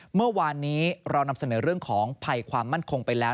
เมื่อวานนี้เรานำเสนอเรื่องของภัยความมั่นคงไปแล้ว